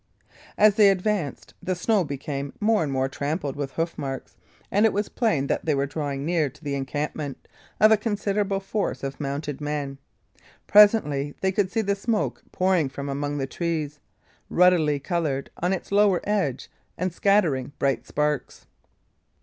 As they advanced, the snow became more and more trampled with hoof marks, and it was plain that they were drawing near to the encampment of a considerable force of mounted men. Presently they could see the smoke pouring from among the trees, ruddily coloured on its lower edge and scattering bright sparks.